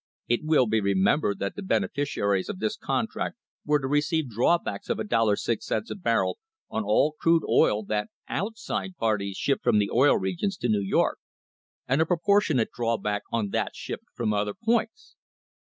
It will be remembered that the beneficiaries of this contract were to receive drawbacks of $1.06 a barrel on all crude oil that outside parties shipped from the Oil Regions to New York, and a proportionate drawback on that shipped from other points.